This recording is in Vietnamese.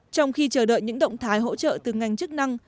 trong khi chờ đợi những động thái hỗ trợ từ ngành chức năng